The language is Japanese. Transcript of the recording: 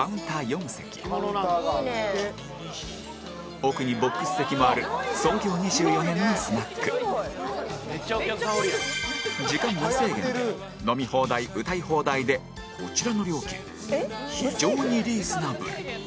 奥にボックス席もある創業２４年のスナック時間無制限で飲み放題歌い放題でこちらの料金非常にリーズナブル